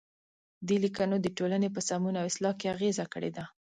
دې لیکنو د ټولنې په سمون او اصلاح کې اغیزه کړې ده.